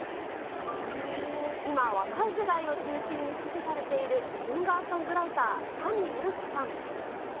今、若い世代を中心に支持されているシンガーソングライター、タニ・ユウキさん。